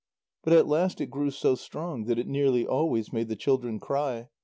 But at last it grew so strong, that it nearly always made the children cry.